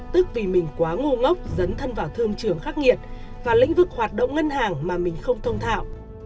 tức vì mình quá ngô ngốc dấn thân vào thương trường khắc nghiệt và lĩnh vực hoạt động ngân hàng mà mình không thông thạo